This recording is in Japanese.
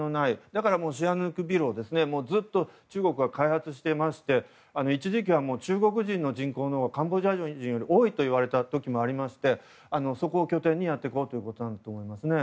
だから、シアヌークビルをずっと中国は開発していまして一時期は中国人の人口のほうがカンボジア人より多いといわれたこともありましてそこを拠点にやっていこうということだと思いますね。